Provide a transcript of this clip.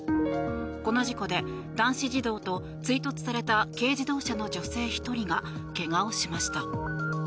この事故で男子児童と追突された軽自動車の女性１人が怪我をしました。